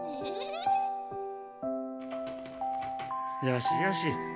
よしよし。